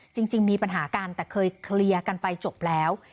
จริงมีปัญหากันแต่เคยเคลียร์กันไปจบแล้ว